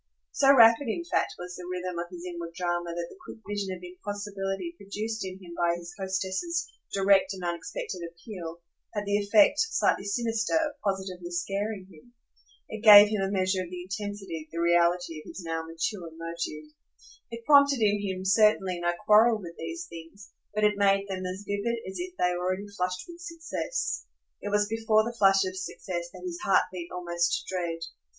So rapid in fact was the rhythm of his inward drama that the quick vision of impossibility produced in him by his hostess's direct and unexpected appeal had the effect, slightly sinister, of positively scaring him. It gave him a measure of the intensity, the reality of his now mature motive. It prompted in him certainly no quarrel with these things, but it made them as vivid as if they already flushed with success. It was before the flush of success that his heart beat almost to dread.